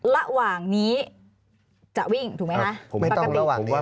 ระหว่างนี้จะวิ่งถูกไหมคะ